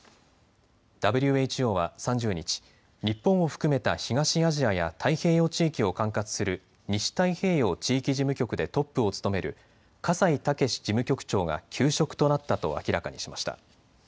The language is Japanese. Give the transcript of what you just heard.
ＷＨＯは３０日、日本を含めた東アジアや太平洋地域を管轄する西太平洋地域事務局でトップを務める葛西健事務局長が休職となったと明らかにしました。